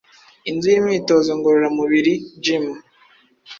Inzu y’imyitozo ngororamubiri Gym